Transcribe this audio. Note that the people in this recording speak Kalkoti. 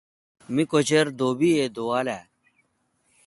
می کچر دوبی اے°دُوال اہ۔